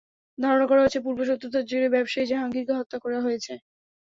ধারণা করা হচ্ছে, পূর্ব শত্রুতার জেরে ব্যবসায়ী জাহাঙ্গীরকে হত্যা করা হয়েছে।